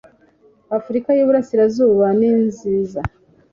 Afurika y Iburasirazuba ninziza